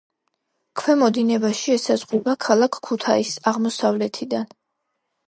ქვემო დინებაში ესაზღვრება ქალაქ ქუთაისს აღმოსავლეთიდან.